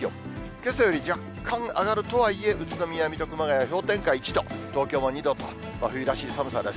けさより若干上がるとはいえ、宇都宮、水戸、熊谷は氷点下１度、東京も２度と、真冬らしい寒さです。